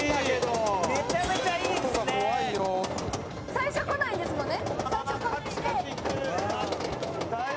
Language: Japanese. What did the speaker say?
最初来ないですもんね。